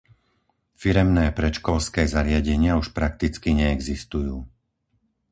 Firemné predškolské zariadenia už prakticky neexistujú.